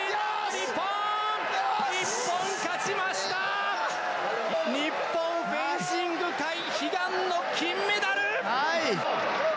日本フェンシング界悲願の金メダル！